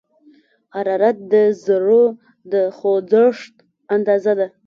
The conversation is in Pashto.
حرارت د ذرّو د خوځښت اندازه ده.